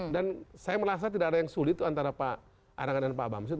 dan saya merasa tidak ada yang sulit antara pak arnav dan pak bamsud